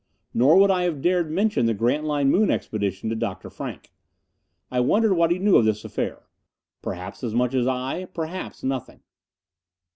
Nor would I have dared mention the Grantline Moon Expedition to Dr. Frank. I wondered what he knew of this affair. Perhaps as much as I perhaps nothing.